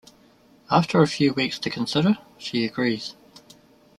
After a few weeks to consider, she agrees.